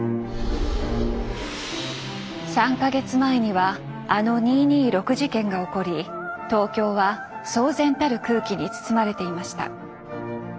３か月前にはあの二・二六事件が起こり東京は騒然たる空気に包まれていました。